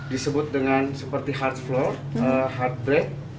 disebut dengan seperti hard floor hard brade